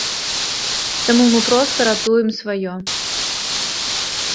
Таму мы проста ратуем сваё.